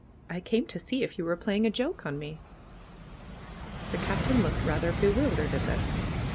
"I came to see if you were playing a joke on me." The Captain looked rather bewildered at this.